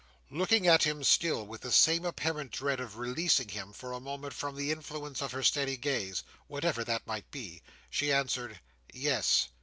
Looking at him still with the same apparent dread of releasing him for a moment from the influence of her steady gaze, whatever that might be, she answered, "Yes!"